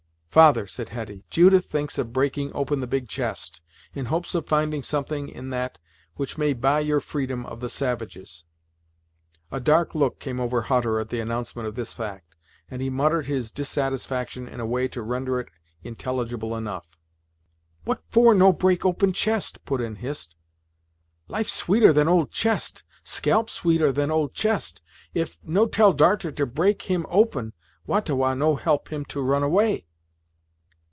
"Father," said Hetty, "Judith thinks of breaking open the big chest, in hopes of finding something in that which may buy your freedom of the savages." A dark look came over Hutter at the announcement of this fact, and he muttered his dissatisfaction in a way to render it intelligible enough. "What for no break open chest?" put in Hist. "Life sweeter than old chest scalp sweeter than old chest. If no tell darter to break him open, Wah ta Wah no help him to run away."